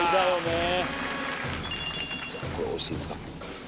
これ押していいですか？